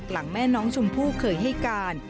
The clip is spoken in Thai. หลังแม่น้องชมพู่เคยให้การ